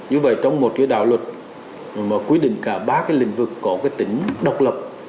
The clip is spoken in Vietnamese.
như vậy trong một cái đạo luật mà quy định cả ba cái lĩnh vực có cái tính độc lập